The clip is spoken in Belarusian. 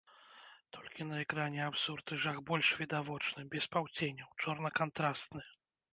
Толькі на экране абсурд і жах больш відавочны, без паўценяў, чорна-кантрасны.